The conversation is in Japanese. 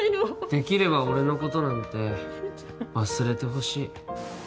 できれば俺のことなんて忘れてほしい